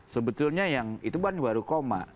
sebetulnya yang itu baru koma